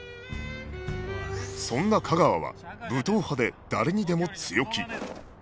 そんな架川は武闘派で誰にでも強気